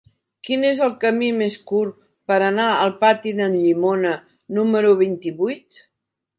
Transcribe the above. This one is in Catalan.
Quin és el camí més curt per anar al pati d'en Llimona número vint-i-vuit?